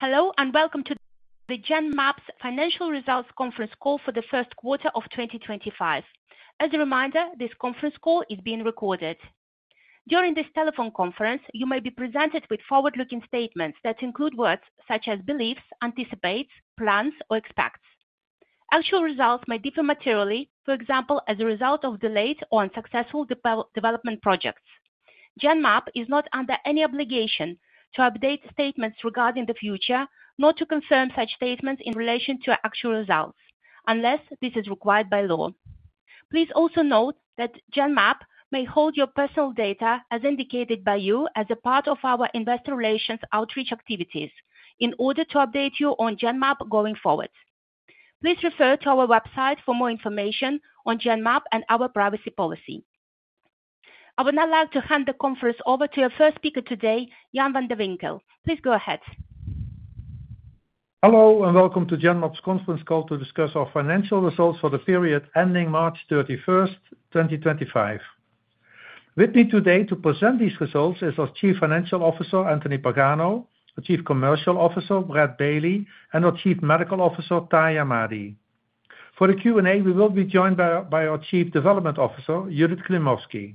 Hello, and welcome to the Genmab's financial results conference call for the first quarter of 2025. As a reminder, this conference call is being recorded. During this telephone conference, you may be presented with forward-looking statements that include words such as beliefs, anticipates, plans, or expects. Actual results may differ materially, for example, as a result of delayed or unsuccessful development projects. Genmab is not under any obligation to update statements regarding the future, nor to confirm such statements in relation to actual results, unless this is required by law. Please also note that Genmab may hold your personal data, as indicated by you, as a part of our investor relations outreach activities in order to update you on Genmab going forward. Please refer to our website for more information on Genmab and our privacy policy. I would now like to hand the conference over to our first speaker today, Jan van de Winkel. Please go ahead. Hello, and welcome to Genmab's conference call to discuss our financial results for the period ending March 31st, 2025. With me today to present these results is our Chief Financial Officer, Anthony Pagano, our Chief Commercial Officer, Brad Bailey, and our Chief Medical Officer, Tahi Ahmadi. For the Q&A, we will be joined by our Chief Development Officer, Judith Klimovsky.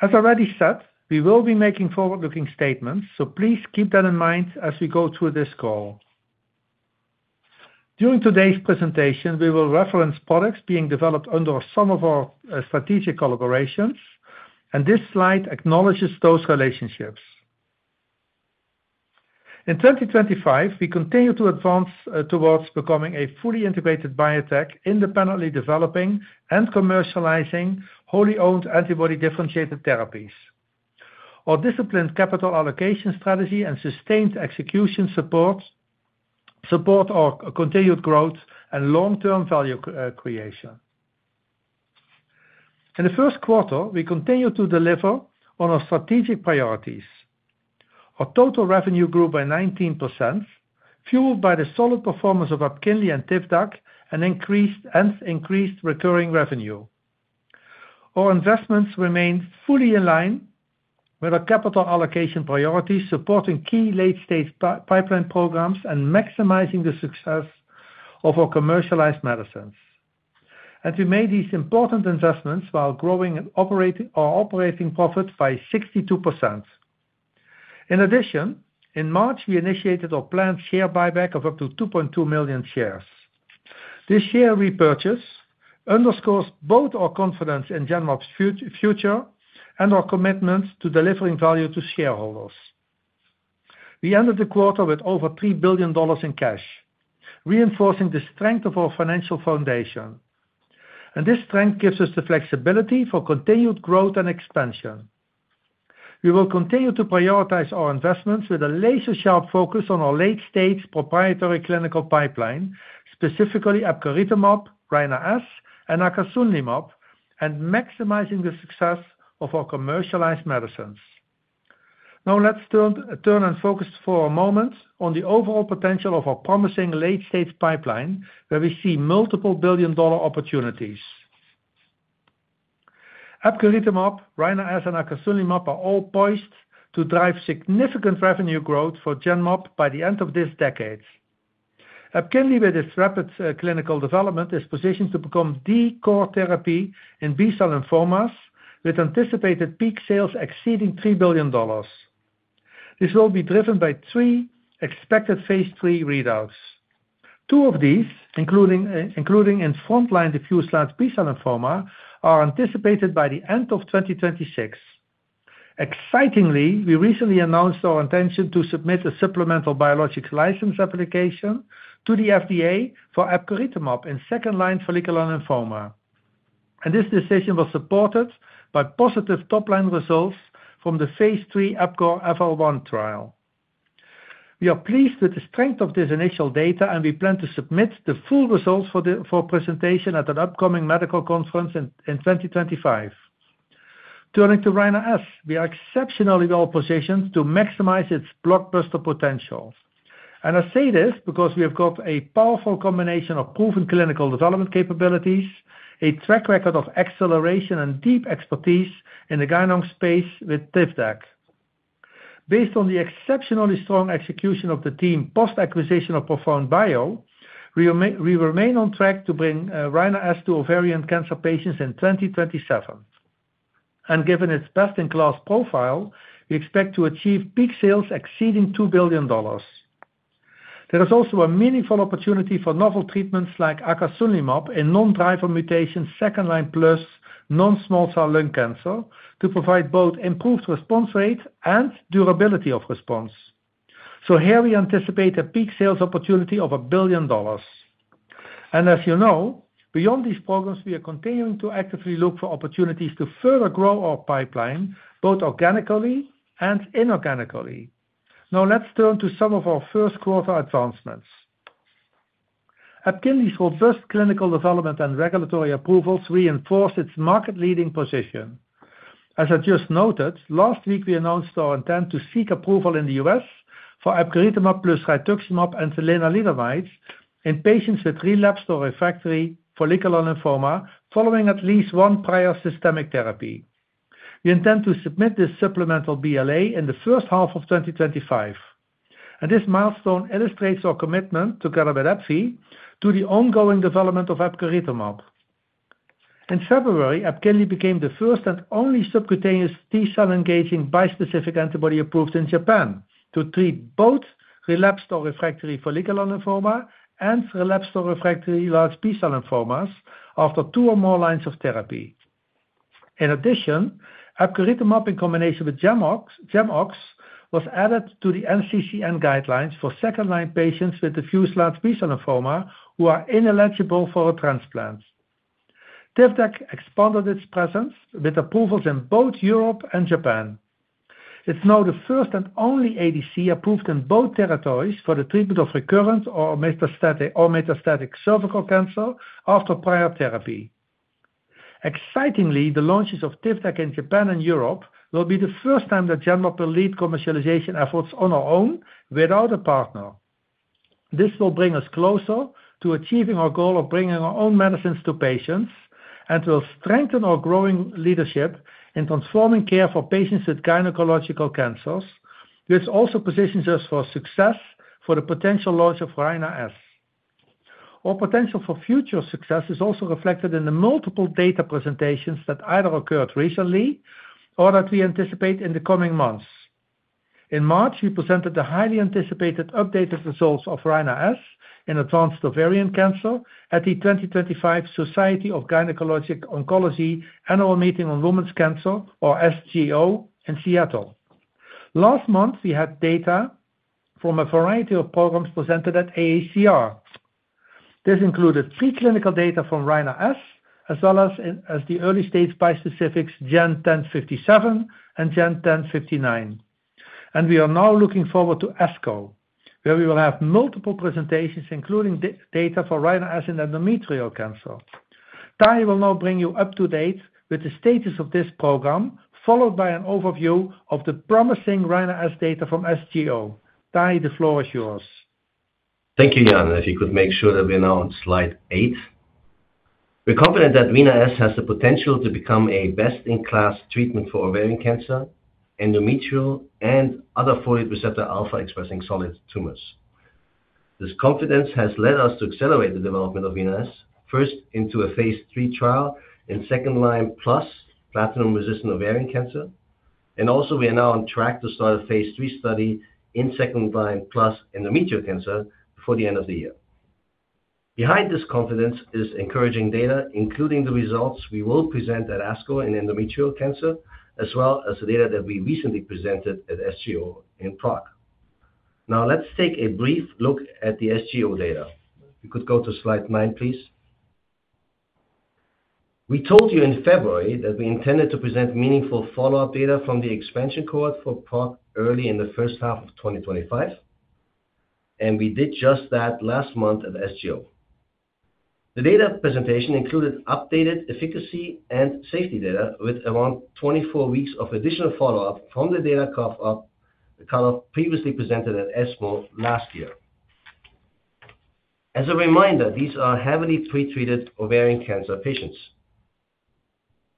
As I already said, we will be making forward-looking statements, so please keep that in mind as we go through this call. During today's presentation, we will reference products being developed under some of our strategic collaborations, and this slide acknowledges those relationships. In 2025, we continue to advance towards becoming a fully integrated biotech independently developing and commercializing wholly owned antibody differentiated therapies, our disciplined capital allocation strategy, and sustained execution support our continued growth and long-term value creation. In the first quarter, we continue to deliver on our strategic priorities. Our total revenue grew by 19%, fueled by the solid performance of EPKINLY and Tivdak, and increased recurring revenue. Our investments remain fully in line with our capital allocation priorities, supporting key late-stage pipeline programs and maximizing the success of our commercialized medicines. And we made these important investments while growing our operating profit by 62%. In addition, in March, we initiated our planned share buyback of up to 2.2 million shares. This share repurchase underscores both our confidence in Genmab's future and our commitment to delivering value to shareholders. We ended the quarter with over $3 billion in cash, reinforcing the strength of our financial foundation. And this strength gives us the flexibility for continued growth and expansion. We will continue to prioritize our investments with a laser-sharp focus on our late-stage proprietary clinical pipeline, specifically epcoritamab, Rina-S, and acasunlimab, and maximizing the success of our commercialized medicines. Now, let's turn and focus for a moment on the overall potential of our promising late-stage pipeline, where we see multiple billion-dollar opportunities. Epcoritamab, Rina-S, and acasunlimab are all poised to drive significant revenue growth for Genmab by the end of this decade. EPKINLY, with its rapid clinical development, is positioned to become the core therapy in B-cell lymphomas, with anticipated peak sales exceeding $3 billion. This will be driven by three expected phase III readouts. Two of these, including in frontline diffuse large B-cell lymphoma, are anticipated by the end of 2026. Excitingly, we recently announced our intention to submit a supplemental biologic license application to the FDA for epcoritamab in second-line follicular lymphoma. And this decision was supported by positive top-line results from the phase III EPCORE FL-1 trial. We are pleased with the strength of this initial data, and we plan to submit the full results for presentation at an upcoming medical conference in 2025. Turning to Rina-S, we are exceptionally well-positioned to maximize its blockbuster potential. And I say this because we have got a powerful combination of proven clinical development capabilities, a track record of acceleration, and deep expertise in the gyn onc space with Tivdak. Based on the exceptionally strong execution of the team post-acquisition of ProfoundBio, we remain on track to bring Rina-S to ovarian cancer patients in 2027. And given its best-in-class profile, we expect to achieve peak sales exceeding $2 billion. There is also a meaningful opportunity for novel treatments like acasunlimab in non-driver mutation second-line plus non-small cell lung cancer to provide both improved response rate and durability of response. So here, we anticipate a peak sales opportunity of $1 billion. And as you know, beyond these programs, we are continuing to actively look for opportunities to further grow our pipeline, both organically and inorganically. Now, let's turn to some of our first-quarter advancements. EPKINLY's robust clinical development and regulatory approvals reinforce its market-leading position. As I just noted, last week, we announced our intent to seek approval in the U.S. for epcoritamab plus rituximab and lenalidomide in patients with relapsed or refractory follicular lymphoma following at least one prior systemic therapy. We intend to submit this supplemental BLA in the first half of 2025. And this milestone illustrates our commitment, together with AbbVie, to the ongoing development of epcoritamab. In February, EPKINLY became the first and only subcutaneous T-cell-engaging bispecific antibody approved in Japan to treat both relapsed or refractory follicular lymphoma and relapsed or refractory large B-cell lymphomas after two or more lines of therapy. In addition, epcoritamab in combination with GEMOX was added to the NCCN guidelines for second-line patients with diffuse large B-cell lymphoma who are ineligible for a transplant. Tivdak expanded its presence with approvals in both Europe and Japan. It's now the first and only ADC approved in both territories for the treatment of recurrent or metastatic cervical cancer after prior therapy. Excitingly, the launches of Tivdak in Japan and Europe will be the first time that Genmab will lead commercialization efforts on our own without a partner. This will bring us closer to achieving our goal of bringing our own medicines to patients and will strengthen our growing leadership in transforming care for patients with gynecological cancers, which also positions us for success for the potential launch of Rina-S. Our potential for future success is also reflected in the multiple data presentations that either occurred recently or that we anticipate in the coming months. In March, we presented the highly anticipated updated results of Rina-S in advanced ovarian cancer at the 2025 Society of Gynecologic Oncology Annual Meeting on Women's Cancer, or SGO, in Seattle. Last month, we had data from a variety of programs presented at AACR. This included preclinical data from Rina-S, as well as the early-stage bispecifics GEN1057 and GEN1059. And we are now looking forward to ASCO, where we will have multiple presentations, including data for Rina-S in endometrial cancer. Tahi will now bring you up to date with the status of this program, followed by an overview of the promising Rina-S data from SGO. Tahi, the floor is yours. Thank you, Jan. If you could make sure that we're now on slide eight. We're confident that Rina-S has the potential to become a best-in-class treatment for ovarian cancer, endometrial, and other folate receptor alpha-expressing solid tumors. This confidence has led us to accelerate the development of Rina-S, first into a phase III trial in second-line plus platinum-resistant ovarian cancer. And also, we are now on track to start a phase III study in second-line plus endometrial cancer before the end of the year. Behind this confidence is encouraging data, including the results we will present at ESMO in endometrial cancer, as well as the data that we recently presented at SGO in PROC. Now, let's take a brief look at the SGO data. If you could go to slide nine, please. We told you in February that we intended to present meaningful follow-up data from the expansion cohort for PROC early in the first half of 2025, and we did just that last month at SGO. The data presentation included updated efficacy and safety data with around 24 weeks of additional follow-up from the data cohort we kind of previously presented at ESMO last year. As a reminder, these are heavily pretreated ovarian cancer patients.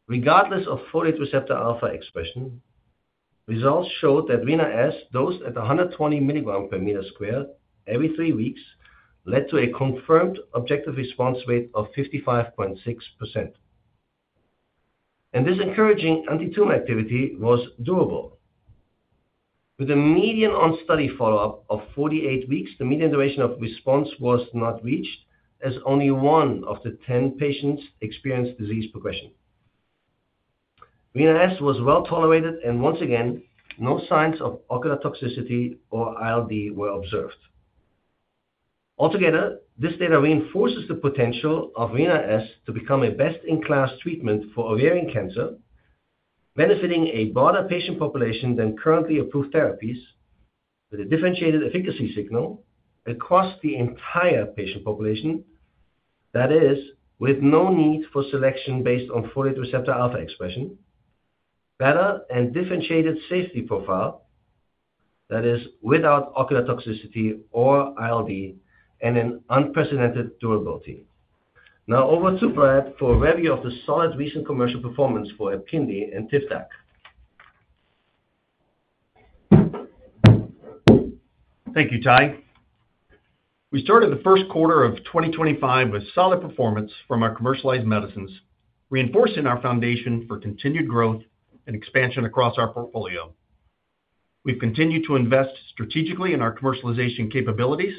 Regardless of folate receptor alpha expression, results showed that Rina-S, dosed at 120 mg per square meter every three weeks, led to a confirmed objective response rate of 55.6%, and this encouraging anti-tumor activity was doable. With a median on-study follow-up of 48 weeks, the median duration of response was not reached, as only one of the 10 patients experienced disease progression. Rina-S was well tolerated, and once again, no signs of ocular toxicity or ILD were observed. Altogether, this data reinforces the potential of Rina-S to become a best-in-class treatment for ovarian cancer, benefiting a broader patient population than currently approved therapies, with a differentiated efficacy signal across the entire patient population, that is, with no need for selection based on folate receptor alpha expression, better and differentiated safety profile, that is, without ocular toxicity or ILD, and an unprecedented durability. Now, over to Brad for a review of the solid recent commercial performance for EPKINLY and Tivdak. Thank you, Tahi. We started the first quarter of 2025 with solid performance from our commercialized medicines, reinforcing our foundation for continued growth and expansion across our portfolio. We've continued to invest strategically in our commercialization capabilities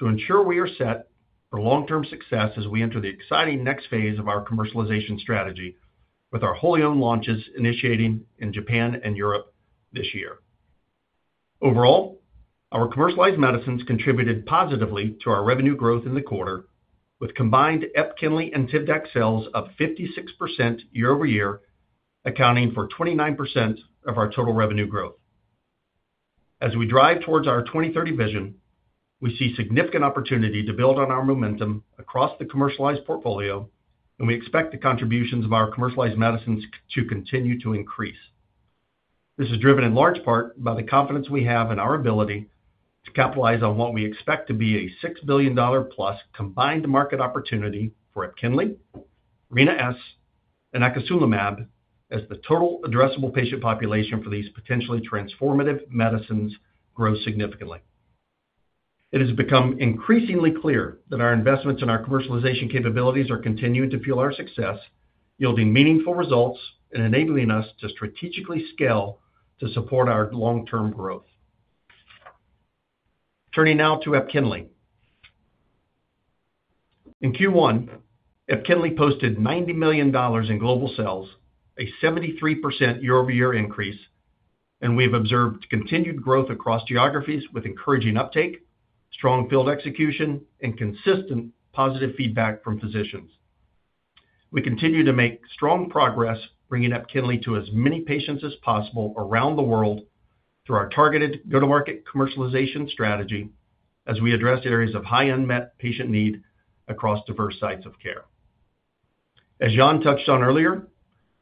to ensure we are set for long-term success as we enter the exciting next phase of our commercialization strategy, with our wholly owned launches initiating in Japan and Europe this year. Overall, our commercialized medicines contributed positively to our revenue growth in the quarter, with combined EPKINLY and Tivdak sales of 56% year-over-year, accounting for 29% of our total revenue growth. As we drive towards our 2030 vision, we see significant opportunity to build on our momentum across the commercialized portfolio, and we expect the contributions of our commercialized medicines to continue to increase. This is driven in large part by the confidence we have in our ability to capitalize on what we expect to be a $6 billion plus combined market opportunity for EPKINLY, Rina-S, and acasunlimab as the total addressable patient population for these potentially transformative medicines grows significantly. It has become increasingly clear that our investments in our commercialization capabilities are continuing to fuel our success, yielding meaningful results and enabling us to strategically scale to support our long-term growth. Turning now to EPKINLY. In Q1, EPKINLY posted $90 million in global sales, a 73% year-over-year increase, and we have observed continued growth across geographies with encouraging uptake, strong field execution, and consistent positive feedback from physicians. We continue to make strong progress, bringing EPKINLY to as many patients as possible around the world through our targeted go-to-market commercialization strategy as we address areas of high unmet patient need across diverse sites of care. As Jan touched on earlier,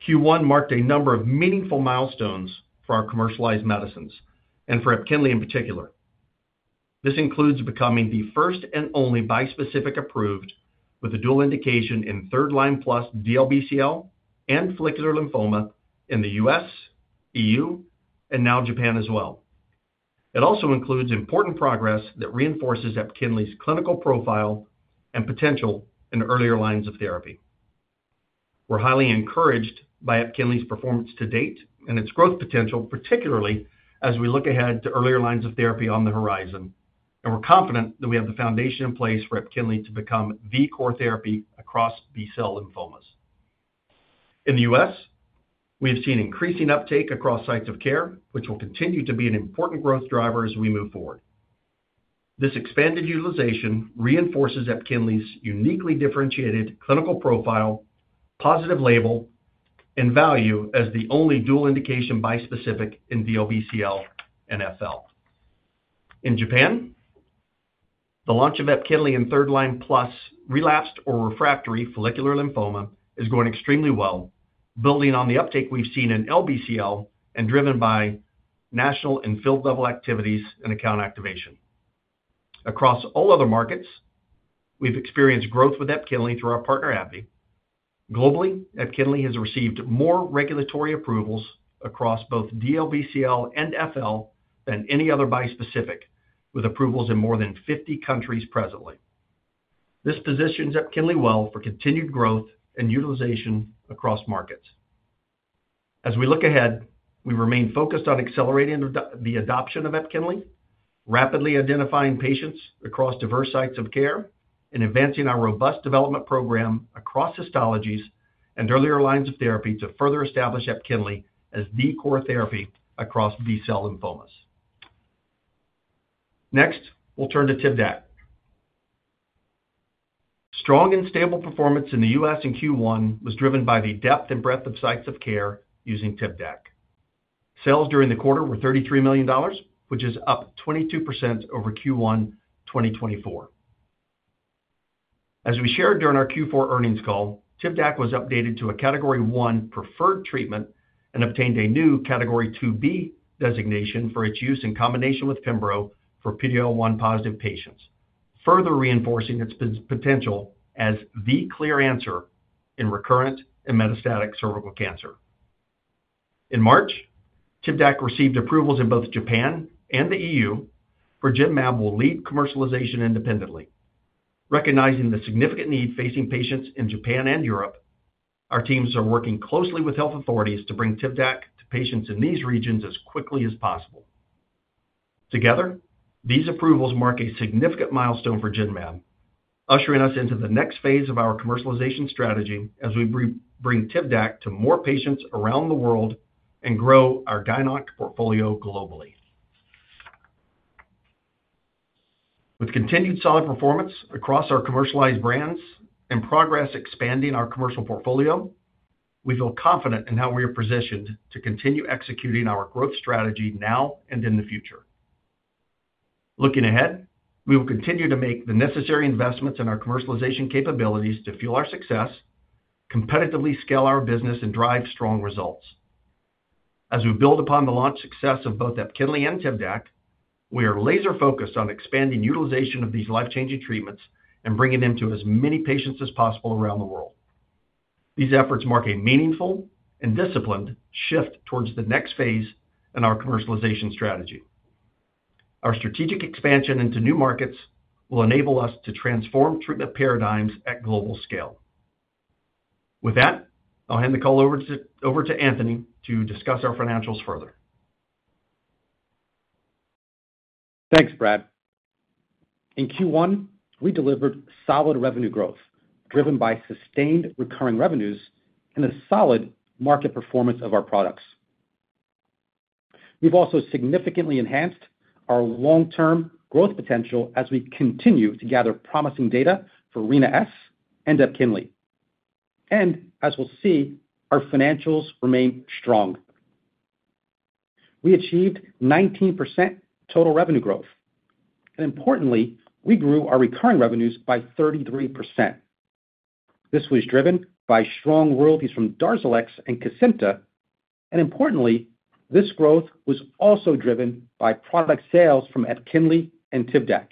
Q1 marked a number of meaningful milestones for our commercialized medicines and for EPKINLY in particular. This includes becoming the first and only bispecific approved with a dual indication in third-line plus DLBCL and follicular lymphoma in the U.S., E.U., and now Japan as well. It also includes important progress that reinforces EPKINLY's clinical profile and potential in earlier lines of therapy. We're highly encouraged by EPKINLY's performance to date and its growth potential, particularly as we look ahead to earlier lines of therapy on the horizon, and we're confident that we have the foundation in place for EPKINLY to become the core therapy across B-cell lymphomas. In the U.S., we have seen increasing uptake across sites of care, which will continue to be an important growth driver as we move forward. This expanded utilization reinforces EPKINLY's uniquely differentiated clinical profile, positive label, and value as the only dual indication bispecific in DLBCL and FL. In Japan, the launch of EPKINLY in third-line plus relapsed or refractory follicular lymphoma is going extremely well, building on the uptake we've seen in LBCL and driven by national and field-level activities and account activation. Across all other markets, we've experienced growth with EPKINLY through our partner, AbbVie. Globally, EPKINLY has received more regulatory approvals across both DLBCL and FL than any other bispecific, with approvals in more than 50 countries presently. This positions EPKINLY well for continued growth and utilization across markets. As we look ahead, we remain focused on accelerating the adoption of EPKINLY, rapidly identifying patients across diverse sites of care, and advancing our robust development program across histologies and earlier lines of therapy to further establish EPKINLY as the core therapy across B-cell lymphomas. Next, we'll turn to Tivdak. Strong and stable performance in the U.S. in Q1 was driven by the depth and breadth of sites of care using Tivdak. Sales during the quarter were $33 million, which is up 22% over Q1 2024. As we shared during our Q4 earnings call, Tivdak was updated to a Category 1 preferred treatment and obtained a new Category 2B designation for its use in combination with pembrolizumab for PD-L1 positive patients, further reinforcing its potential as the clear answer in recurrent and metastatic cervical cancer. In March, Tivdak received approvals in both Japan and the EU. Genmab will lead commercialization independently. Recognizing the significant need facing patients in Japan and Europe, our teams are working closely with health authorities to bring Tivdak to patients in these regions as quickly as possible. Together, these approvals mark a significant milestone for Genmab, ushering us into the next phase of our commercialization strategy as we bring Tivdak to more patients around the world and grow our oncology portfolio globally. With continued solid performance across our commercialized brands and progress expanding our commercial portfolio, we feel confident in how we are positioned to continue executing our growth strategy now and in the future. Looking ahead, we will continue to make the necessary investments in our commercialization capabilities to fuel our success, competitively scale our business, and drive strong results. As we build upon the launch success of both EPKINLY and Tivdak, we are laser-focused on expanding utilization of these life-changing treatments and bringing them to as many patients as possible around the world. These efforts mark a meaningful and disciplined shift towards the next phase in our commercialization strategy. Our strategic expansion into new markets will enable us to transform treatment paradigms at global scale. With that, I'll hand the call over to Anthony to discuss our financials further. Thanks, Brad. In Q1, we delivered solid revenue growth driven by sustained recurring revenues and a solid market performance of our products. We've also significantly enhanced our long-term growth potential as we continue to gather promising data for Rina-S and EPKINLY. And as we'll see, our financials remain strong. We achieved 19% total revenue growth. And importantly, we grew our recurring revenues by 33%. This was driven by strong royalties from DARZALEX and KESIMPTA, and importantly, this growth was also driven by product sales from EPKINLY and Tivdak,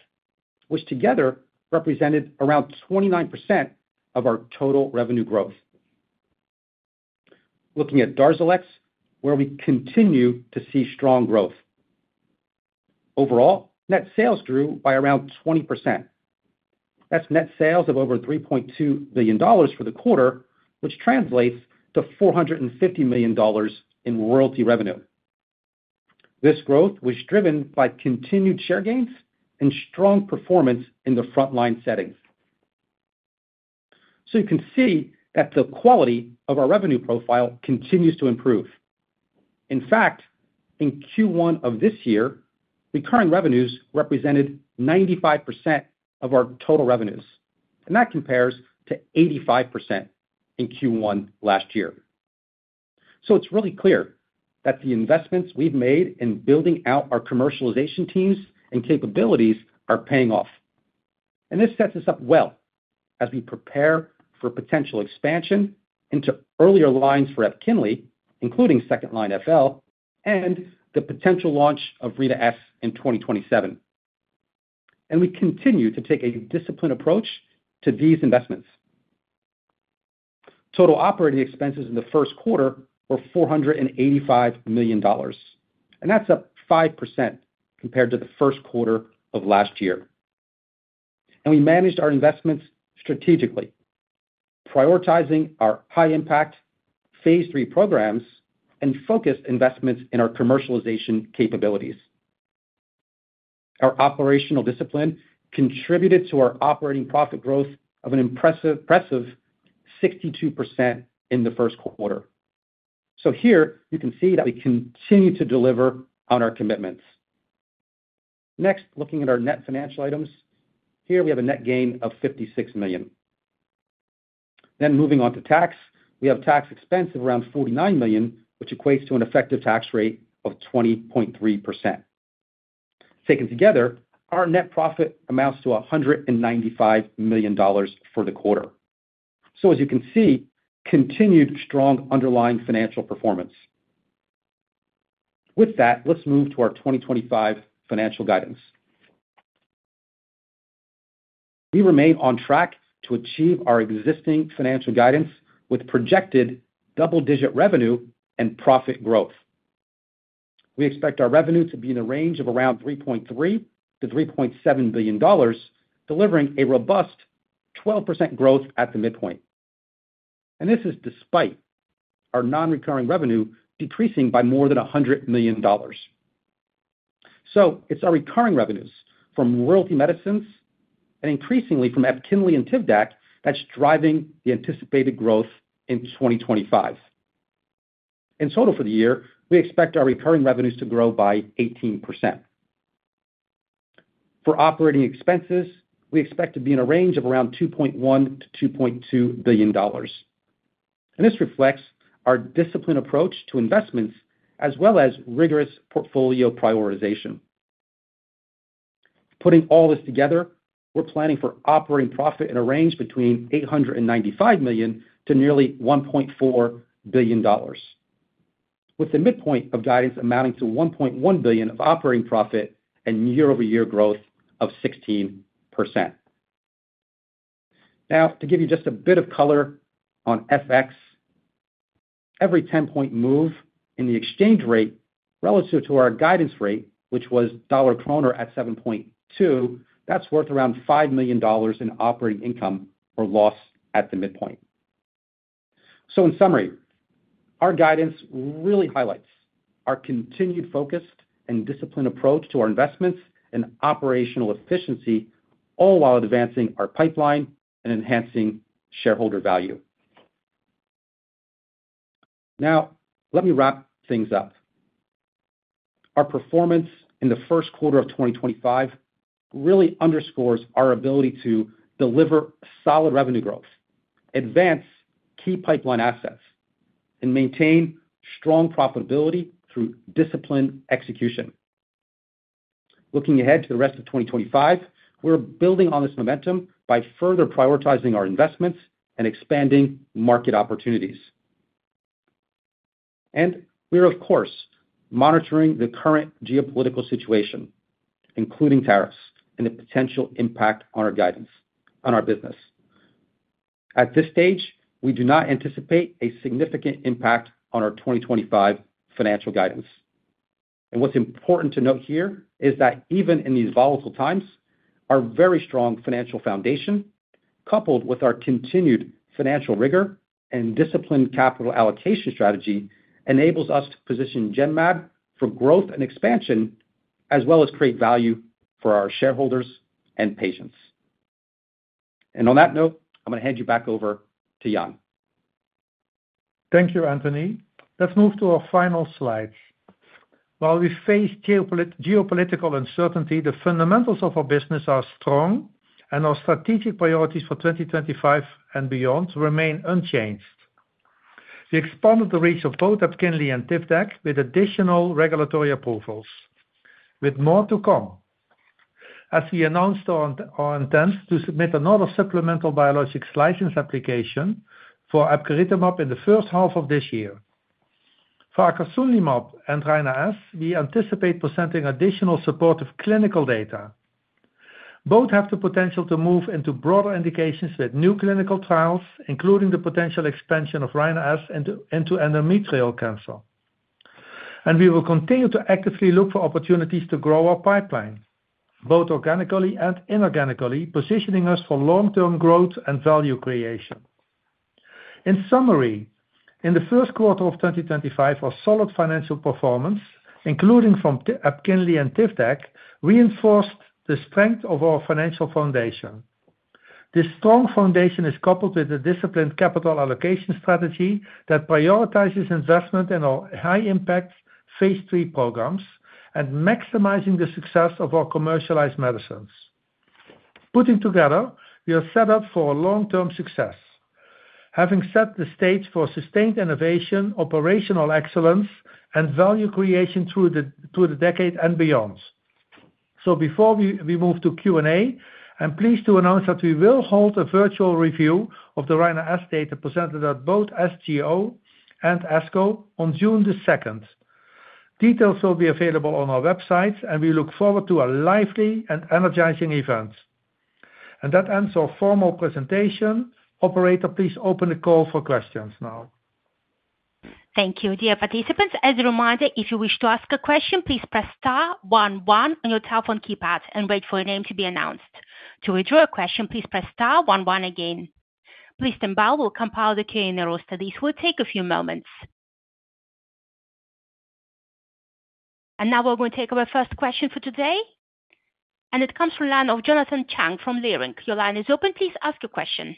which together represented around 29% of our total revenue growth. Looking at DARZALEX, where we continue to see strong growth. Overall, net sales grew by around 20%. That's net sales of over $3.2 billion for the quarter, which translates to $450 million in royalty revenue. This growth was driven by continued share gains and strong performance in the front-line setting, so you can see that the quality of our revenue profile continues to improve. In fact, in Q1 of this year, recurring revenues represented 95% of our total revenues, and that compares to 85% in Q1 last year, so it's really clear that the investments we've made in building out our commercialization teams and capabilities are paying off. This sets us up well as we prepare for potential expansion into earlier lines for EPKINLY, including second-line FL and the potential launch of Rina-S in 2027. We continue to take a disciplined approach to these investments. Total operating expenses in the first quarter were $485 million. That's up 5% compared to the first quarter of last year. We managed our investments strategically, prioritizing our high-impact phase III programs and focused investments in our commercialization capabilities. Our operational discipline contributed to our operating profit growth of an impressive 62% in the first quarter. Here, you can see that we continue to deliver on our commitments. Next, looking at our net financial items, here we have a net gain of $56 million. Moving on to tax, we have tax expense of around $49 million, which equates to an effective tax rate of 20.3%. Taken together, our net profit amounts to $195 million for the quarter, so as you can see, continued strong underlying financial performance. With that, let's move to our 2025 financial guidance. We remain on track to achieve our existing financial guidance with projected double-digit revenue and profit growth. We expect our revenue to be in the range of around $3.3 billion-$3.7 billion, delivering a robust 12% growth at the midpoint, and this is despite our non-recurring revenue decreasing by more than $100 million, so it's our recurring revenues from royalty medicines and increasingly from EPKINLY and Tivdak that's driving the anticipated growth in 2025. In total for the year, we expect our recurring revenues to grow by 18%. For operating expenses, we expect to be in a range of around $2.1 billion-$2.2 billion, and this reflects our disciplined approach to investments as well as rigorous portfolio prioritization. Putting all this together, we're planning for operating profit in a range between $895 million to nearly $1.4 billion, with the midpoint of guidance amounting to $1.1 billion of operating profit and year-over-year growth of 16%. Now, to give you just a bit of color on FX, every 10-point move in the exchange rate relative to our guidance rate, which was dollar-krone at 7.2, that's worth around $5 million in operating income or loss at the midpoint. So in summary, our guidance really highlights our continued focused and disciplined approach to our investments and operational efficiency, all while advancing our pipeline and enhancing shareholder value. Now, let me wrap things up. Our performance in the first quarter of 2025 really underscores our ability to deliver solid revenue growth, advance key pipeline assets, and maintain strong profitability through disciplined execution. Looking ahead to the rest of 2025, we're building on this momentum by further prioritizing our investments and expanding market opportunities. And we are, of course, monitoring the current geopolitical situation, including tariffs and the potential impact on our guidance on our business. At this stage, we do not anticipate a significant impact on our 2025 financial guidance. And what's important to note here is that even in these volatile times, our very strong financial foundation, coupled with our continued financial rigor and disciplined capital allocation strategy, enables us to position Genmab for growth and expansion, as well as create value for our shareholders and patients. And on that note, I'm going to hand you back over to Jan. Thank you, Anthony. Let's move to our final slides. While we face geopolitical uncertainty, the fundamentals of our business are strong, and our strategic priorities for 2025 and beyond remain unchanged. We expanded the reach of both EPKINLY and Tivdak with additional regulatory approvals, with more to come. As we announced our intent to submit another supplemental Biologics License Application for epcoritamab in the first half of this year. For acasunlimab and Rina-S, we anticipate presenting additional supportive clinical data. Both have the potential to move into broader indications with new clinical trials, including the potential expansion of Rina-S into endometrial cancer. And we will continue to actively look for opportunities to grow our pipeline, both organically and inorganically, positioning us for long-term growth and value creation. In summary, in the first quarter of 2025, our solid financial performance, including from EPKINLY and Tivdak, reinforced the strength of our financial foundation. This strong foundation is coupled with a disciplined capital allocation strategy that prioritizes investment in our high-impact phase three programs and maximizing the success of our commercialized medicines. Putting together, we are set up for a long-term success, having set the stage for sustained innovation, operational excellence, and value creation through the decade and beyond. So before we move to Q&A, I'm pleased to announce that we will hold a virtual review of the Rina-S data presented at both SGO and ASCO on June 2nd. Details will be available on our website, and we look forward to a lively and energizing event. And that ends our formal presentation. Operator, please open the call for questions now. Thank you. Dear participants, as a reminder, if you wish to ask a question, please press star one one on your telephone keypad and wait for your name to be announced. To withdraw a question, please press star one one again. Please stand by. We'll compile the Q&A roster. This will take a few moments. And now we're going to take our first question for today. And it comes from the line of Jonathan Chang from Leerink. Your line is open. Please ask your question.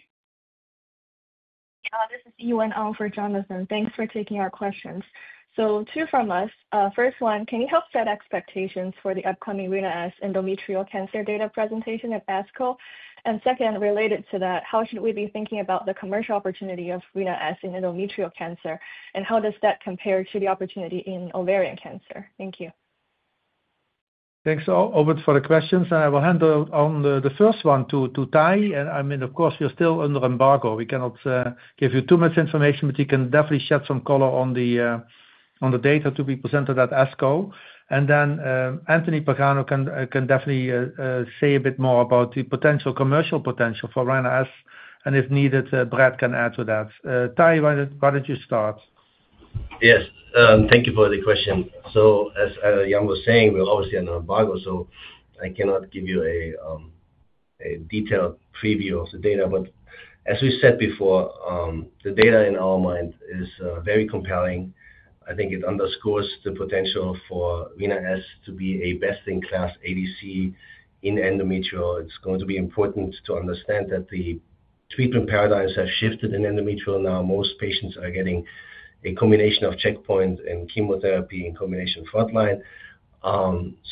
Yeah, this is Jiwan on for Jonathan. Thanks for taking our questions, so two from us. First one, can you help set expectations for the upcoming Rina-S endometrial cancer data presentation at ASCO? And second, related to that, how should we be thinking about the commercial opportunity of Rina-S in endometrial cancer? And how does that compare to the opportunity in ovarian cancer? Thank you. Thanks to all for the questions. I will hand over the first one to Tahi. I mean, of course, we're still under embargo. We cannot give you too much information, but you can definitely add some color on the data to be presented at ASCO. Then Anthony Pagano can definitely say a bit more about the potential commercial potential for Rina-S. If needed, Brad can add to that. Tahi, why don't you start? Yes. Thank you for the question. So as Jan was saying, we're obviously under embargo, so I cannot give you a detailed preview of the data. But as we said before, the data in our mind is very compelling. I think it underscores the potential for Rina-S to be a best-in-class ADC in endometrial. It's going to be important to understand that the treatment paradigms have shifted in endometrial now. Most patients are getting a combination of checkpoints and chemotherapy in combination frontline.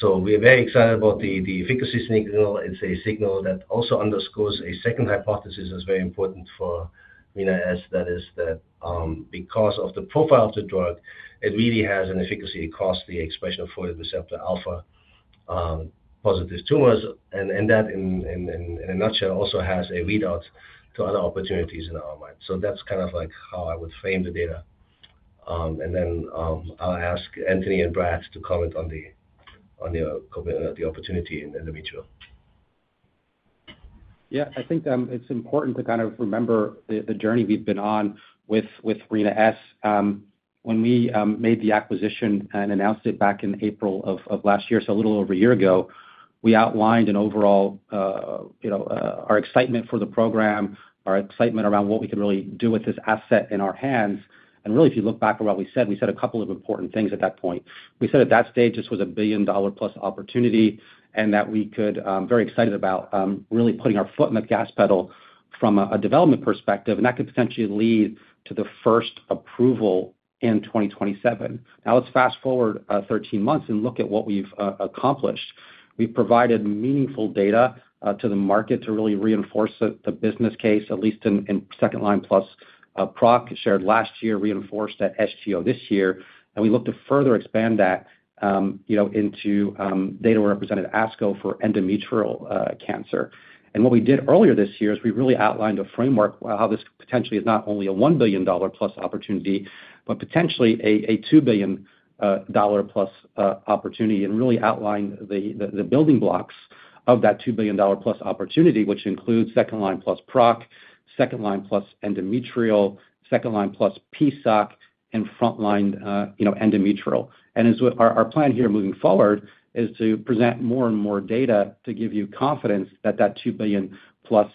So we are very excited about the efficacy signal. It's a signal that also underscores a second hypothesis that's very important for Rina-S, that is that because of the profile of the drug, it really has an efficacy across the expression of folate receptor alpha-positive tumors. And that, in a nutshell, also has a readout to other opportunities in our mind. So that's kind of like how I would frame the data. And then I'll ask Anthony and Brad to comment on the opportunity in endometrial. Yeah, I think it's important to kind of remember the journey we've been on with Rina-S. When we made the acquisition and announced it back in April of last year, so a little over a year ago, we outlined an overall our excitement for the program, our excitement around what we could really do with this asset in our hands. And really, if you look back at what we said, we said a couple of important things at that point. We said at that stage this was a billion-dollar-plus opportunity and that we could be very excited about really putting our foot in the gas pedal from a development perspective. And that could potentially lead to the first approval in 2027. Now, let's fast forward 13 months and look at what we've accomplished. We've provided meaningful data to the market to really reinforce the business case, at least in second-line plus PROC, shared last year, reinforced at SGO this year, and we look to further expand that into data presented at ASCO for endometrial cancer, and what we did earlier this year is we really outlined a framework how this potentially is not only a $1 billion-plus opportunity, but potentially a $2 billion-plus opportunity and really outlined the building blocks of that $2 billion-plus opportunity, which includes second-line plus PROC, second-line plus endometrial, second-line plus PSOC, and frontline endometrial, and our plan here moving forward is to present more and more data to give you confidence that that $2 billion-plus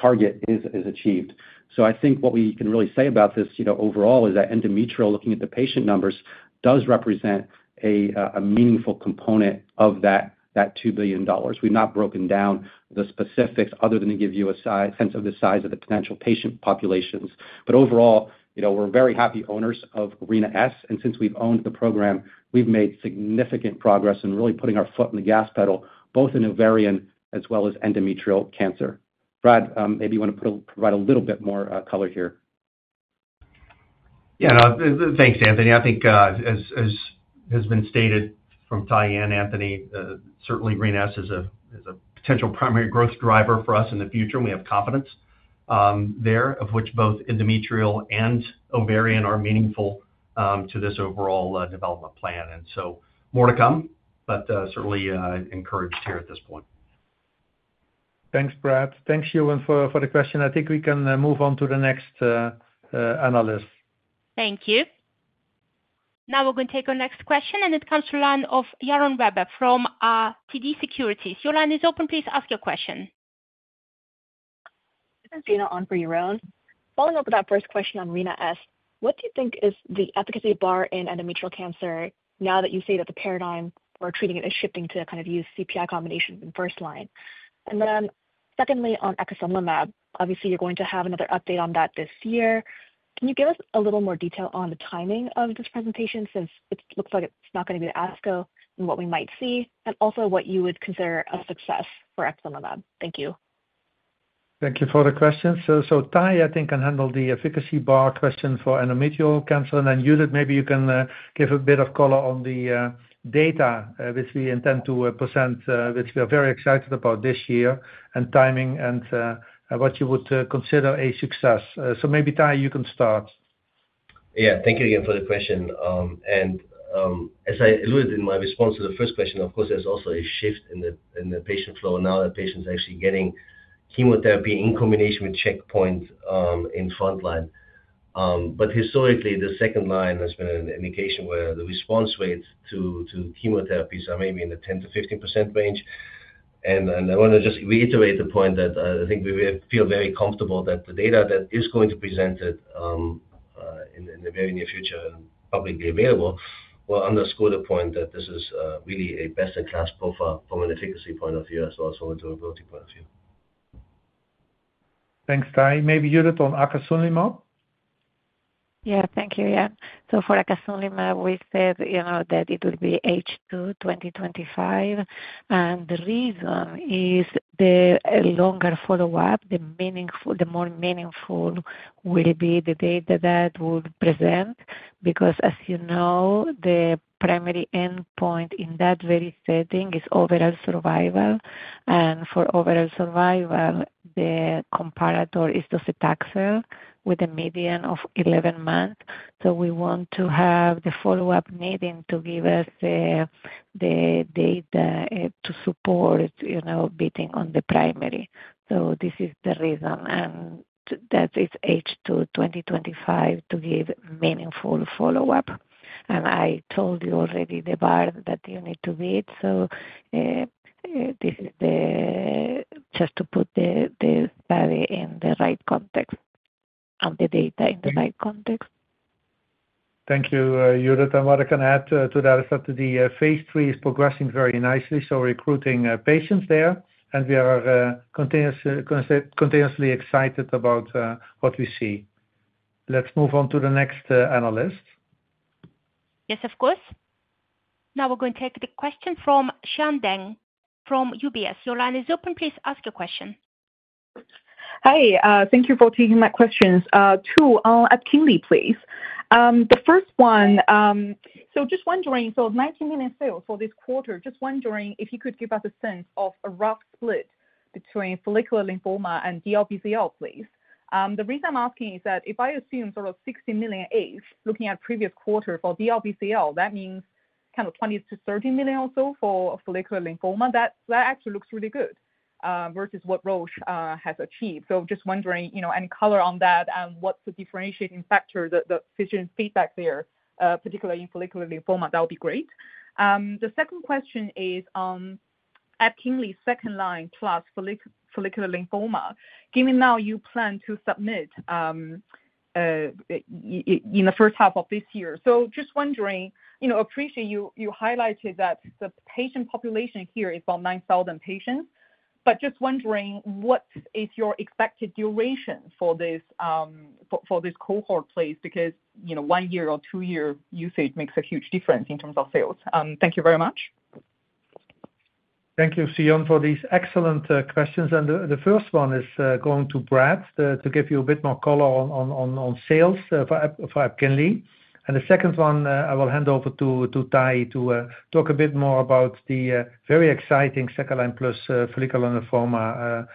target is achieved, so I think what we can really say about this overall is that endometrial, looking at the patient numbers, does represent a meaningful component of that $2 billion. We've not broken down the specifics other than to give you a sense of the size of the potential patient populations. But overall, we're very happy owners of Rina-S. And since we've owned the program, we've made significant progress in really putting our foot in the gas pedal, both in ovarian as well as endometrial cancer. Brad, maybe you want to provide a little bit more color here. Yeah, thanks, Anthony. I think, as has been stated from Tahi and Anthony, certainly Rina-S is a potential primary growth driver for us in the future. We have confidence there, of which both endometrial and ovarian are meaningful to this overall development plan. And so more to come, but certainly encouraged here at this point. Thanks, Brad. Thanks, Jewan, for the question. I think we can move on to the next analyst. Thank you. Now we're going to take our next question, and it comes to the line of Yaron Werber from TD Securities. Your line is open. Please ask your question. This is Dana on for Yaron. Following up with that first question on Rina-S, what do you think is the efficacy bar in endometrial cancer now that you say that the paradigm for treating it is shifting to kind of use CPI combination in first line? And then secondly, on epcoritamab, obviously, you're going to have another update on that this year. Can you give us a little more detail on the timing of this presentation since it looks like it's not going to be at ASCO and what we might see, and also what you would consider a success for epcoritamab? Thank you. Thank you for the question. So Tahi, I think, can handle the efficacy bar question for endometrial cancer. And then Judith, maybe you can give a bit of color on the data which we intend to present, which we are very excited about this year and timing and what you would consider a success. So maybe Tahi, you can start. Yeah, thank you again for the question. And as I alluded in my response to the first question, of course, there's also a shift in the patient flow now that patients are actually getting chemotherapy in combination with checkpoints in frontline. But historically, the second line has been an indication where the response rates to chemotherapies are maybe in the 10%-15% range. And I want to just reiterate the point that I think we feel very comfortable that the data that is going to be presented in the very near future and publicly available will underscore the point that this is really a best-in-class profile from an efficacy point of view as well as from a durability point of view. Thanks, Tahi. Maybe Judith on acasunlimab? Yeah, thank you. Yeah. So for acasunlimab, we said that it will be H2 2025. And the reason is the longer follow-up, the more meaningful will be the data that will present because, as you know, the primary endpoint in that very setting is overall survival. And for overall survival, the comparator is docetaxel with a median of 11 months. So we want to have the follow-up needing to give us the data to support beating on the primary. So this is the reason. And that is H2 2025 to give meaningful follow-up. And I told you already the bar that you need to beat. So this is just to put the study in the right context and the data in the right context. Thank you, Judith. And what I can add to that is that the phase III is progressing very nicely, so recruiting patients there. And we are continuously excited about what we see. Let's move on to the next analyst. Yes, of course. Now we're going to take the question from Xian Deng from UBS. Your line is open. Please ask your question. Hi. Thank you for taking my questions. Two on EPKINLY, please. The first one, so just wondering, so 90 million cells for this quarter, just wondering if you could give us a sense of a rough split between follicular lymphoma and DLBCL, please. The reason I'm asking is that if I assume sort of 60 million ACE looking at previous quarter for DLBCL, that means kind of 20 million to 30 million or so for follicular lymphoma. That actually looks really good versus what Roche has achieved. So just wondering, any color on that and what's the differentiating factor, the physician feedback there, particularly in follicular lymphoma, that would be great. The second question is on EPKINLY second line plus follicular lymphoma, given now you plan to submit in the first half of this year. So just wondering, appreciate you highlighted that the patient population here is about 9,000 patients. But just wondering, what is your expected duration for this cohort, please? Because one-year or two-year usage makes a huge difference in terms of sales. Thank you very much. Thank you, Xian, for these excellent questions. And the first one is going to Brad to give you a bit more color on sales for EPKINLY. And the second one, I will hand over to Tahi to talk a bit more about the very exciting second-line plus follicular lymphoma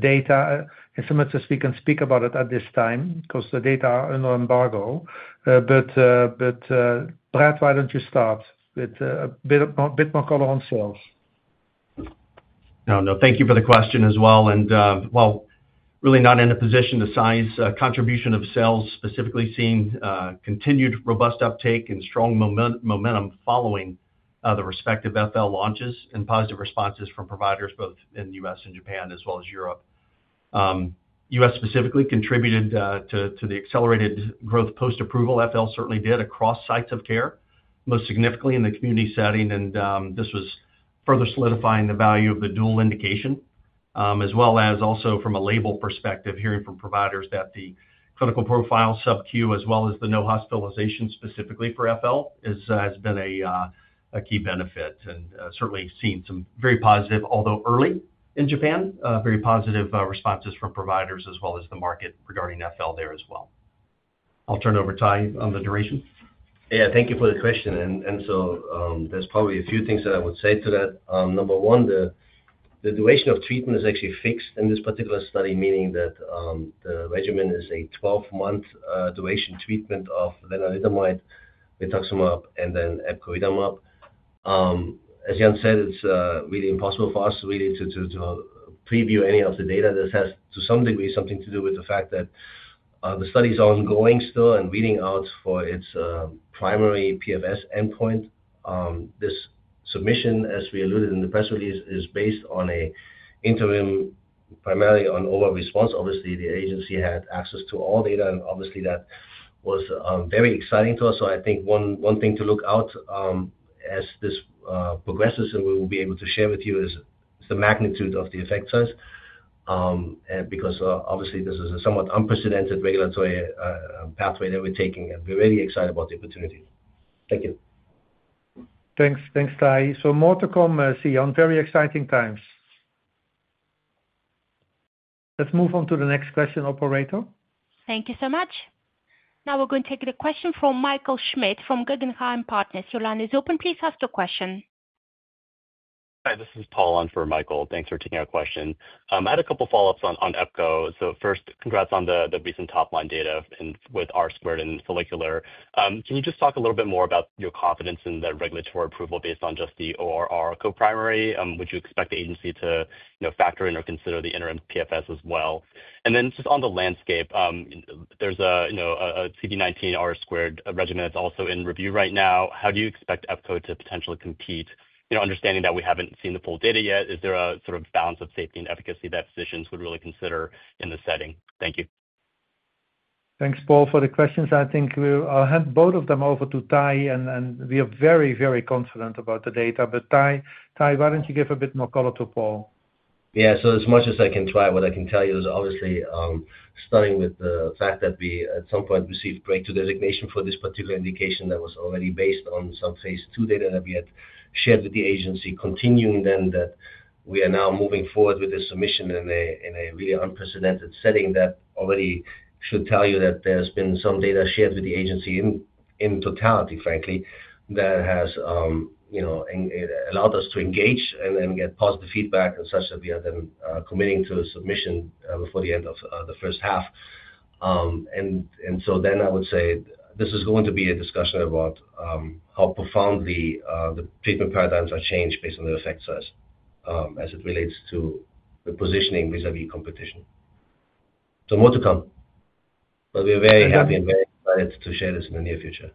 data. As much as we can speak about it at this time, because the data are under embargo, but Brad, why don't you start with a bit more color on sales? No, no. Thank you for the question as well. And while really not in a position to size contribution of cells, specifically seeing continued robust uptake and strong momentum following the respective FL launches and positive responses from providers both in the U.S. and Japan as well as Europe. U.S. specifically contributed to the accelerated growth post-approval. FL certainly did across sites of care, most significantly in the community setting. And this was further solidifying the value of the dual indication, as well as also from a label perspective, hearing from providers that the clinical profile sub-Q as well as the no hospitalization specifically for FL has been a key benefit and certainly seen some very positive, although early in Japan, very positive responses from providers as well as the market regarding FL there as well. I'll turn it over to Tahi on the duration. Yeah, thank you for the question. And so there's probably a few things that I would say to that. Number one, the duration of treatment is actually fixed in this particular study, meaning that the regimen is a 12-month duration treatment of lenalidomide, rituximab, and then epcoritamab. As Jan said, it's really impossible for us really to preview any of the data. This has, to some degree, something to do with the fact that the study is ongoing still and reading out for its primary PFS endpoint. This submission, as we alluded in the press release, is based on an interim primarily on overall response. Obviously, the agency had access to all data, and obviously, that was very exciting to us. So I think one thing to look out as this progresses and we will be able to share with you is the magnitude of the effect size. Because obviously, this is a somewhat unprecedented regulatory pathway that we're taking, and we're really excited about the opportunity. Thank you. Thanks. Thanks, Tahi. So more to come, Xian. Very exciting times. Let's move on to the next question, Operator. Thank you so much. Now we're going to take the question from Michael Schmidt from Guggenheim Partners. Your line is open. Please ask the question. Hi, this is Paul on for Michael. Thanks for taking our question. I had a couple of follow-ups on EPKINLY. So first, congrats on the recent top-line data with R/R and follicular. Can you just talk a little bit more about your confidence in the regulatory approval based on just the ORR co-primary? Would you expect the agency to factor in or consider the interim PFS as well? And then just on the landscape, there's a CD19 R/R regimen that's also in review right now. How do you expect EPKINLY to potentially compete, understanding that we haven't seen the full data yet? Is there a sort of balance of safety and efficacy that physicians would really consider in this setting? Thank you. Thanks, Paul, for the questions. I think I'll hand both of them over to Tahi, and we are very, very confident about the data. But Tahi, why don't you give a bit more color to Paul? Yeah, so as much as I can try, what I can tell you is obviously starting with the fact that we at some point received breakthrough designation for this particular indication that was already based on some phase II data that we had shared with the agency, continuing then that we are now moving forward with this submission in a really unprecedented setting that already should tell you that there's been some data shared with the agency in totality, frankly, that has allowed us to engage and get positive feedback and such that we are then committing to submission before the end of the first half, and so then I would say this is going to be a discussion about how profoundly the treatment paradigms are changed based on the effect size as it relates to the positioning vis-à-vis competition, so more to come. But we are very happy and very excited to share this in the near future.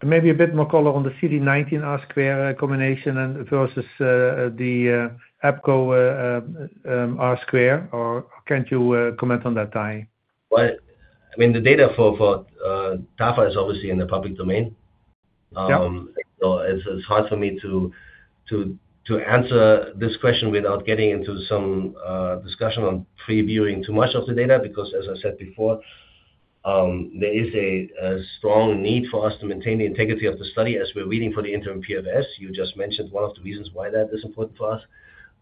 And maybe a bit more color on the CD19 R-squared combination versus the Epco R-squared. Or can't you comment on that, Tahi? Well, I mean, the data for Tafa is obviously in the public domain. So it's hard for me to answer this question without getting into some discussion on previewing too much of the data, because, as I said before, there is a strong need for us to maintain the integrity of the study as we're readying for the interim PFS. You just mentioned one of the reasons why that is important for us.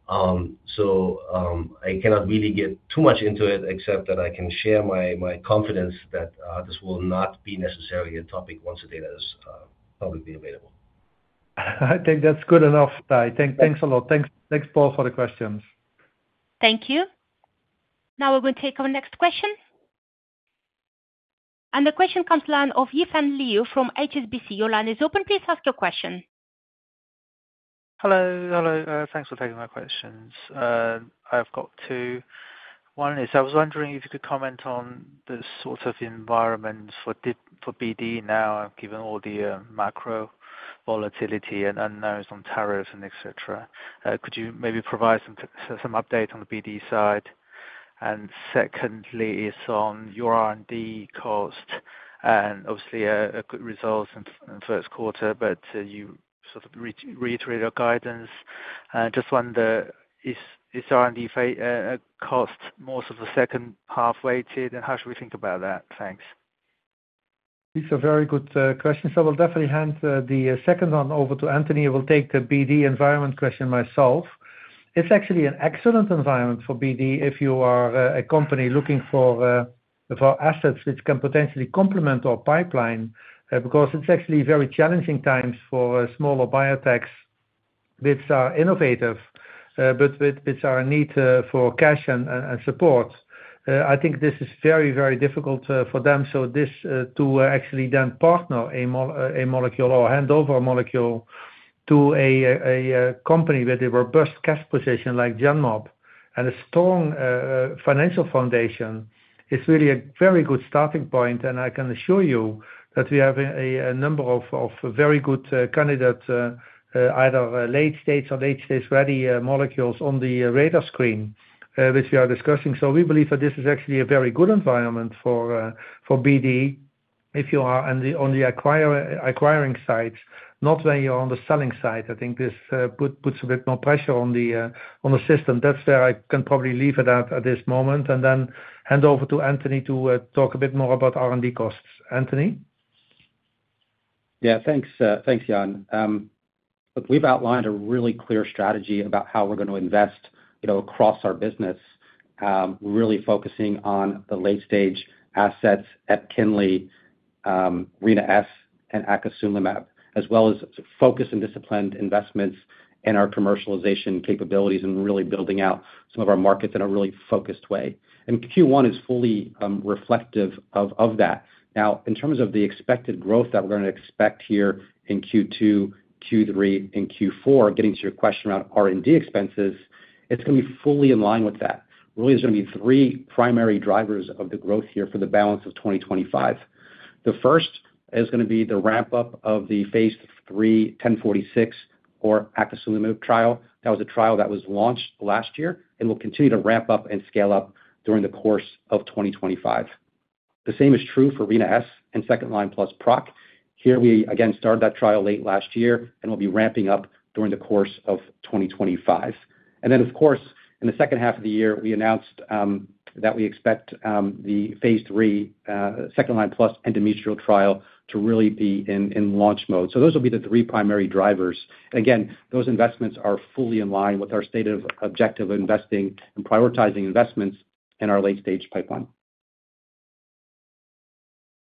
So I cannot really get too much into it, except that I can share my confidence that this will not necessarily be a topic once the data is publicly available. I think that's good enough, Tahi. Thanks a lot. Thanks, Paul, for the questions. Thank you. Now we're going to take our next question, and the question comes to the line of Yifeng Liu from HSBC. Your line is open. Please ask your question. Hello. Hello. Thanks for taking my questions. I've got two. One is I was wondering if you could comment on the sort of environment for BD now, given all the macro volatility and unknowns on tariffs and etc. Could you maybe provide some update on the BD side? And secondly, it's on your R&D cost and obviously a good result in the first quarter, but you sort of reiterated our guidance. And just wonder, is R&D cost more sort of a second-half weighted? And how should we think about that? Thanks. These are very good questions. I will definitely hand the second one over to Anthony. I will take the BD environment question myself. It's actually an excellent environment for BD if you are a company looking for assets which can potentially complement our pipeline, because it's actually very challenging times for smaller biotechs which are innovative, but which are in need for cash and support. I think this is very, very difficult for them. So this to actually then partner a molecule or hand over a molecule to a company with a robust cash position like Genmab and a strong financial foundation is really a very good starting point, and I can assure you that we have a number of very good candidates, either late-stage or late-stage ready molecules on the radar screen which we are discussing. So we believe that this is actually a very good environment for BD if you are on the acquiring side, not when you're on the selling side. I think this puts a bit more pressure on the system. That's where I can probably leave it at this moment. And then hand over to Anthony to talk a bit more about R&D costs. Anthony? Yeah, thanks, Jan. Look, we've outlined a really clear strategy about how we're going to invest across our business, really focusing on the late-stage assets, EPKINLY, Rina-S, and acasunlimab, as well as focused and disciplined investments in our commercialization capabilities and really building out some of our markets in a really focused way, and Q1 is fully reflective of that. Now, in terms of the expected growth that we're going to expect here in Q2, Q3, and Q4, getting to your question around R&D expenses, it's going to be fully in line with that. Really, there's going to be three primary drivers of the growth here for the balance of 2025. The first is going to be the ramp-up of the phase III 1046 or acasunlimab trial. That was a trial that was launched last year and will continue to ramp up and scale up during the course of 2025. The same is true for Rina-S and second-line plus PROC. Here, we again started that trial late last year and will be ramping up during the course of 2025, and then, of course, in the second half of the year, we announced that we expect the phase III second-line plus endometrial trial to really be in launch mode, so those will be the three primary drivers, and again, those investments are fully in line with our stated objective of investing and prioritizing investments in our late-stage pipeline.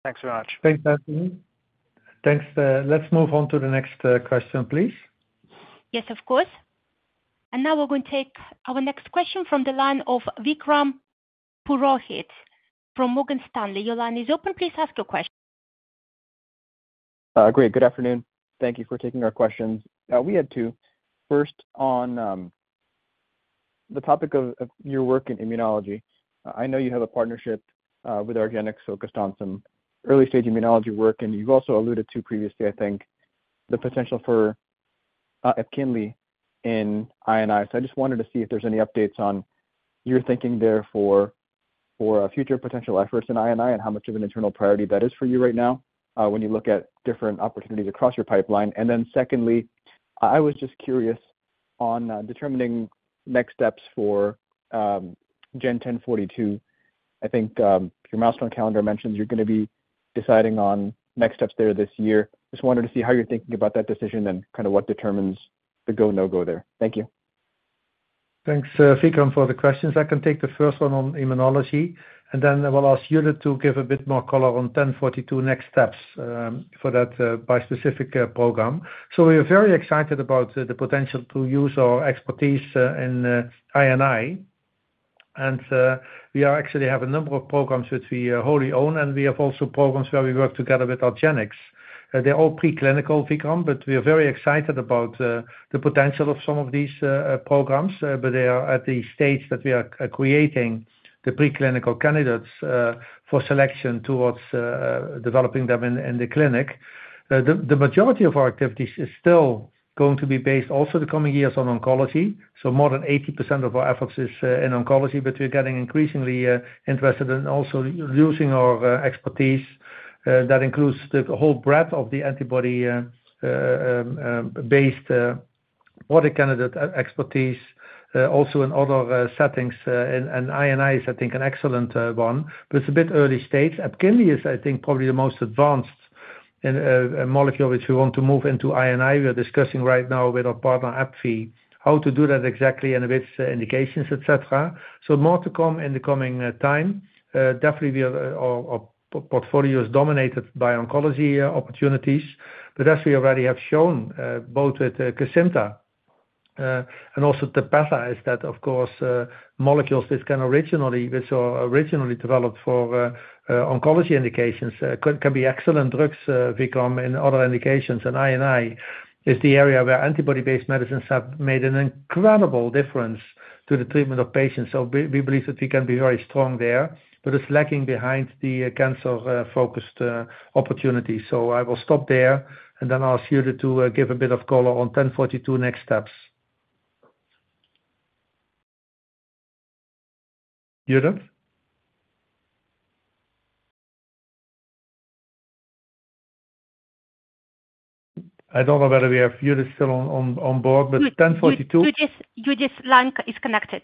Thanks very much. Thanks, Anthony. Thanks. Let's move on to the next question, please. Yes, of course. And now we're going to take our next question from the line of Vikram Purohit from Morgan Stanley. Your line is open. Please ask your question. Great. Good afternoon. Thank you for taking our questions. We had two. First, on the topic of your work in immunology, I know you have a partnership with argenx focused on some early-stage immunology work, and you've also alluded to previously, I think, the potential for EPKINLY in IO. So I just wanted to see if there's any updates on your thinking there for future potential efforts in IO and how much of an internal priority that is for you right now when you look at different opportunities across your pipeline. And then secondly, I was just curious on determining next steps for GEN1042. I think your milestone calendar mentions you're going to be deciding on next steps there this year. Just wanted to see how you're thinking about that decision and kind of what determines the go, no-go there. Thank you. Thanks, Vikram, for the questions. I can take the first one on immunology, and then I will ask you to give a bit more color on 1042 next steps for that bi-specific program. So we are very excited about the potential to use our expertise in I&I. And we actually have a number of programs which we wholly own, and we have also programs where we work together with argenx. They're all preclinical, Vikram, but we are very excited about the potential of some of these programs, but they are at the stage that we are creating the preclinical candidates for selection towards developing them in the clinic. The majority of our activities is still going to be based also the coming years on oncology. So more than 80% of our efforts is in oncology, but we're getting increasingly interested in also using our expertise. That includes the whole breadth of the antibody-based modality candidate expertise, also in other settings. I&I is, I think, an excellent one, but it's a bit early stage. EPKINLY is, I think, probably the most advanced molecule which we want to move into I&I. We are discussing right now with our partner, AbbVie, how to do that exactly and which indications, etc. More to come in the coming time. Definitely, our portfolio is dominated by oncology opportunities, but as we already have shown both with KESIMPTA and also TEPEZZA, is that, of course, molecules which can originally be developed for oncology indications can be excellent drugs, Vikram, in other indications. I&I is the area where antibody-based medicines have made an incredible difference to the treatment of patients. We believe that we can be very strong there, but it's lagging behind the cancer-focused opportunities. So, I will stop there and then ask you to give a bit of color on 1042 next steps. Judith? I don't know whether we have Judith still on board, but 1042. Judith's line is disconnected.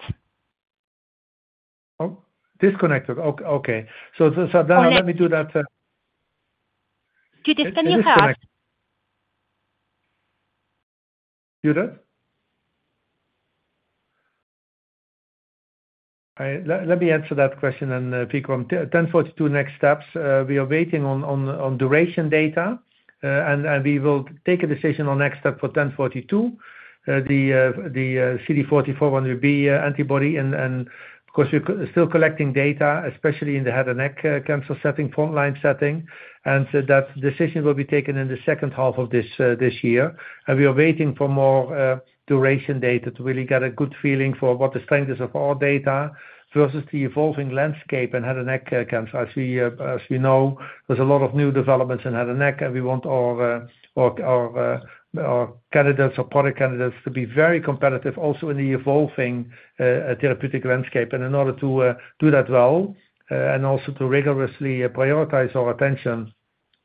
Oh, disconnected. Okay, so then let me do that. Judith, can you hear us? Judith? Let me answer that question then, Vikram. 1042 next steps. We are waiting on duration data, and we will take a decision on next step for 1042. The CD44 one will be antibody, and of course, we're still collecting data, especially in the head and neck cancer setting, front-line setting, and that decision will be taken in the second half of this year, and we are waiting for more duration data to really get a good feeling for what the strength is of our data versus the evolving landscape in head and neck cancer. As we know, there's a lot of new developments in head and neck, and we want our candidates or product candidates to be very competitive also in the evolving therapeutic landscape. In order to do that well and also to rigorously prioritize our attention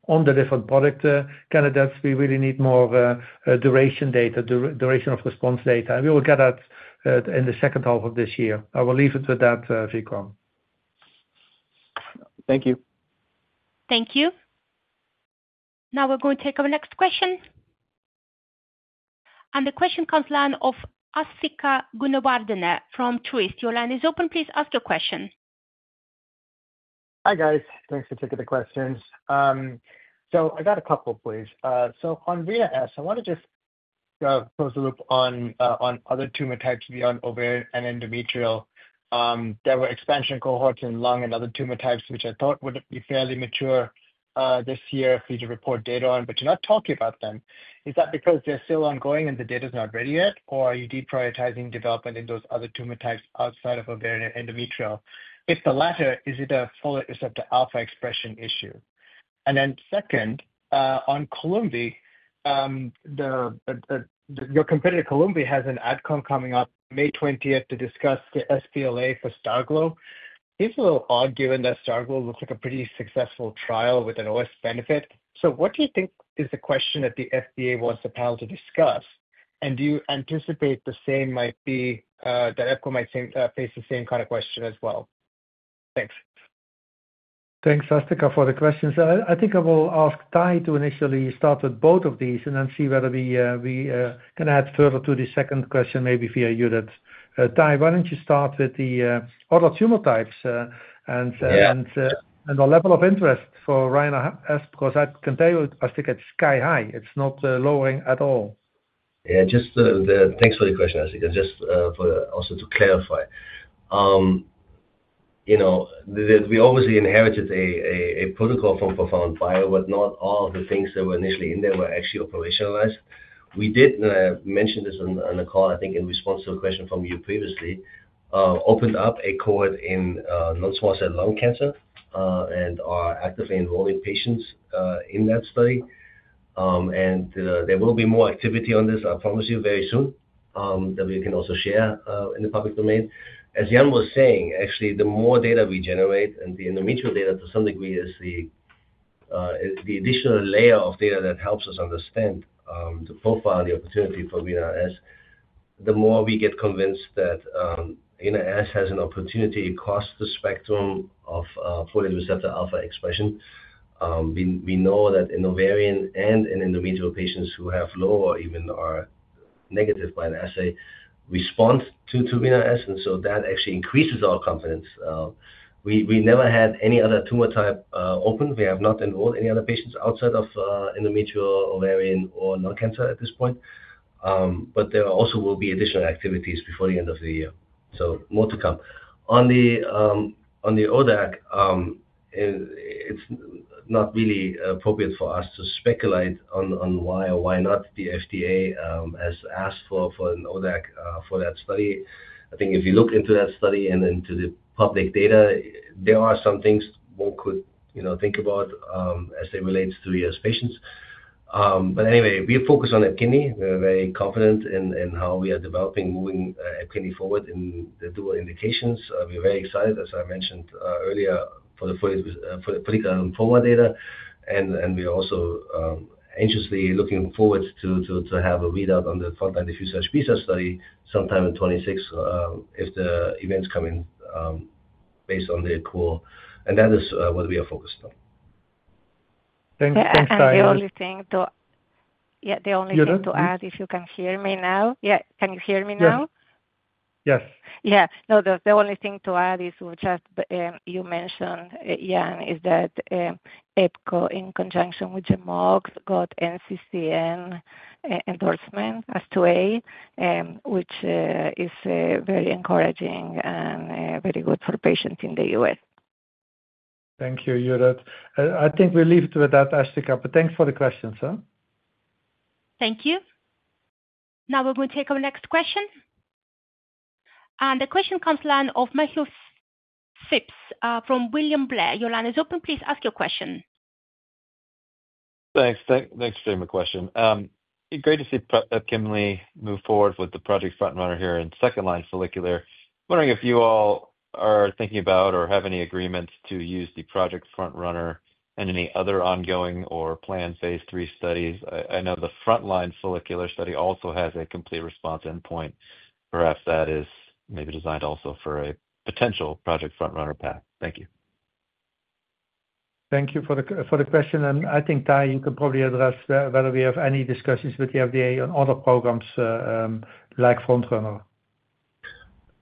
on the different product candidates, we really need more duration data, duration of response data. We will get that in the second half of this year. I will leave it with that, Vikram. Thank you. Thank you. Now we're going to take our next question. And the question comes to the line of Asthika Goonewardene from Truist. Your line is open. Please ask your question. Hi, guys. Thanks for taking the questions. So I got a couple, please. So Andrea asked, "I want to just close the loop on other tumor types beyond ovarian and endometrial. There were expansion cohorts in lung and other tumor types which I thought would be fairly mature this year for you to report data on, but you're not talking about them. Is that because they're still ongoing and the data is not ready yet, or are you deprioritizing development in those other tumor types outside of ovarian and endometrial? If the latter, is it a folate receptor alpha expression issue?" And then second, on COLUMVI, your competitor COLUMVI has an adcom coming up May 20th to discuss the sBLA for STARGLO. People are arguing that STARGLO looks like a pretty successful trial with an OS benefit. So what do you think is the question that the FDA wants the panel to discuss? And do you anticipate the same might be that EPKINLY might face the same kind of question as well? Thanks. Thanks, Asthika, for the questions. I think I will ask Tahi to initially start with both of these and then see whether we can add further to the second question maybe via Judith. Tahi, why don't you start with the other tumor types and the level of interest for Rina-S, because I can tell you, Asthika, it's sky high. It's not lowering at all. Yeah, just thanks for the question, Asthika. Just also to clarify, we obviously inherited a protocol from ProfoundBio, but not all of the things that were initially in there were actually operationalized. We did mention this on the call, I think, in response to a question from you previously, opened up a cohort in non-small cell lung cancer and are actively enrolling patients in that study. And there will be more activity on this, I promise you, very soon, that we can also share in the public domain. As Jan was saying, actually, the more data we generate and the endometrial data to some degree is the additional layer of data that helps us understand the profile, the opportunity for Rina-S, the more we get convinced that Rina-S has an opportunity across the spectrum of folate receptor alpha expression. We know that in ovarian and in endometrial patients who have low or even are negative by an assay respond to Rina-S, and so that actually increases our confidence. We never had any other tumor type open. We have not enrolled any other patients outside of endometrial, ovarian, or lung cancer at this point, but there also will be additional activities before the end of the year, so more to come. On the ODAC, it's not really appropriate for us to speculate on why or why not the FDA has asked for an ODAC for that study. I think if you look into that study and into the public data, there are some things one could think about as they relate to U.S. patients, but anyway, we focus on EPKINLY. We're very confident in how we are developing, moving EPKINLY forward in the dual indications. We're very excited, as I mentioned earlier, for the follicular lymphoma data, and we're also anxiously looking forward to have a readout on the front-line diffuse large B-cell study sometime in 2026 if the events come in based on the call, and that is what we are focused on. Thanks, Tahi. The only thing to add, if you can hear me now. Yeah, can you hear me now? Yes. Yeah. No, the only thing to add is just you mentioned, Jan, is that EPKINLY, in conjunction with GEMOX, got NCCN endorsement as 2A, which is very encouraging and very good for patients in the U.S. Thank you, Judith. I think we'll leave it with that, Asthika, but thanks for the questions, huh? Thank you. Now we're going to take our next question. The question comes to the line of Matthew Phipps from William Blair. Your line is open. Please ask your question. Thanks. Thanks for taking the question. Great to see EPKINLY move forward with the Project FrontRunner here in second-line follicular. Wondering if you all are thinking about or have any agreements to use the Project FrontRunner and any other ongoing or planned phase III studies? I know the front-line follicular study also has a complete response endpoint. Perhaps that is maybe designed also for a potential Project FrontRunner path. Thank you. Thank you for the question. And I think, Tahi, you can probably address whether we have any discussions with the FDA on other programs like FrontRunner.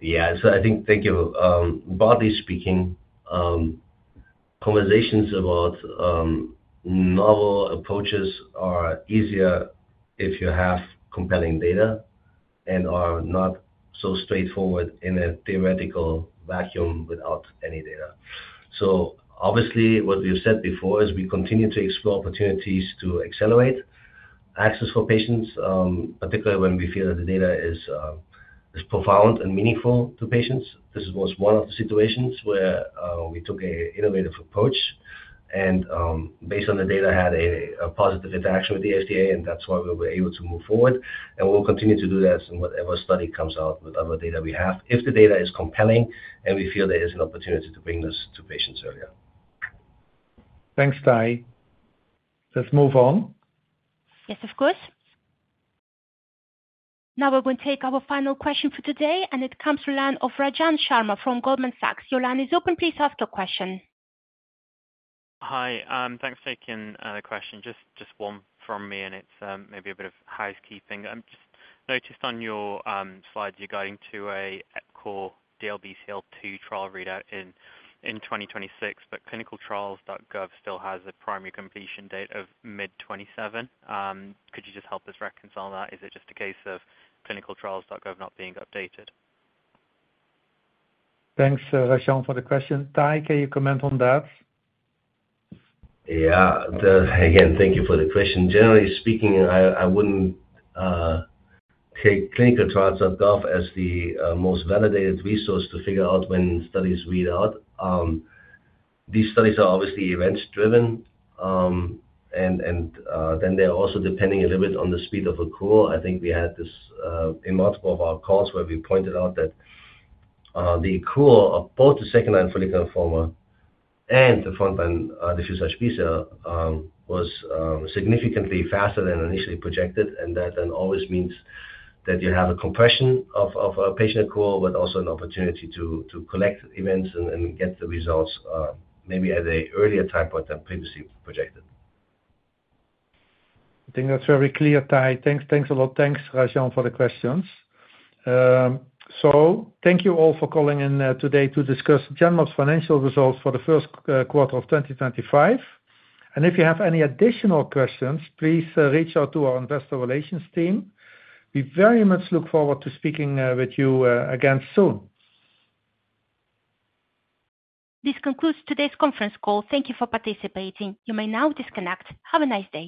Yeah, so I think, thank you. Broadly speaking, conversations about novel approaches are easier if you have compelling data and are not so straightforward in a theoretical vacuum without any data, so obviously, what we've said before is we continue to explore opportunities to accelerate access for patients, particularly when we feel that the data is profound and meaningful to patients. This was one of the situations where we took an innovative approach and based on the data, had a positive interaction with the FDA, and that's why we were able to move forward, and we'll continue to do that in whatever study comes out with other data we have, if the data is compelling and we feel there is an opportunity to bring this to patients earlier. Thanks, Tahi. Let's move on. Yes, of course. Now we're going to take our final question for today, and it comes to the line of Rajan Sharma from Goldman Sachs. Your line is open. Please ask your question. Hi. Thanks for taking the question. Just one from me, and it's maybe a bit of housekeeping. I've just noticed on your slides, you're going to a EPCORE DLBCL-2 trial readout in 2026, but ClinicalTrials.gov still has a primary completion date of mid-2027. Could you just help us reconcile that? Is it just a case of ClinicalTrials.gov not being updated? Thanks, Rajan, for the question. Tahi, can you comment on that? Yeah. Again, thank you for the question. Generally speaking, I wouldn't take ClinicalTrials.gov as the most validated resource to figure out when studies read out. These studies are obviously event-driven, and then they're also depending a little bit on the speed of a cohort. I think we had this in multiple of our calls where we pointed out that the cohort of both the second-line follicular lymphoma and the front-line diffuse large B-cell lymphoma was significantly faster than initially projected, and that then always means that you have a compression of a patient cohort, but also an opportunity to collect events and get the results maybe at an earlier time point than previously projected. I think that's very clear, Tahi. Thanks a lot. Thanks, Rajan, for the questions. So thank you all for calling in today to discuss Genmab's financial results for the first quarter of 2025. And if you have any additional questions, please reach out to our investor relations team. We very much look forward to speaking with you again soon. This concludes today's conference call. Thank you for participating. You may now disconnect. Have a nice day.